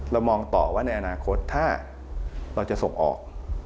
เรามองต่อว่าในอนาคตถ้าเราจะส่งออก